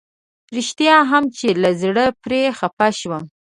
رښتيا هم چې له زړه پرې خفه شوم.